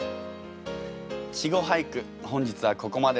稚語俳句本日はここまでです。